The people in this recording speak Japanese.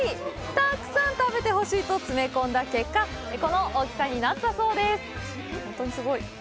たくさん食べてほしいと詰め込んだ結果この大きさになったそうです